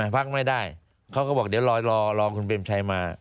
พักไม่ได้เขาก็บอกเดี๋ยวรอคุณเบรมชัยมา